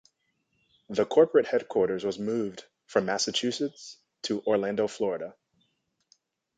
The corporate headquarters was moved from Massachusetts to Orlando, Florida.